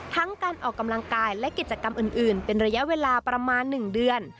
การออกกำลังกายและกิจกรรมอื่นเป็นระยะเวลาประมาณ๑เดือน